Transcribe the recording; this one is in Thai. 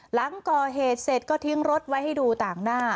หลังก่อเหตุเสร็จก็ทิ้งรถไว้ให้ดูต่างหน้า